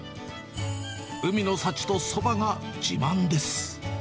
海の幸とそばが自慢です。